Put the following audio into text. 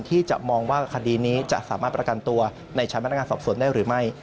ที่จะมองว่าคดีนี้จะสามารถประกันตัวในชั้นพนักงานสอบสวนได้หรือไม่